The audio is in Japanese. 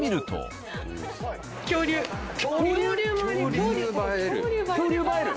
恐竜映える？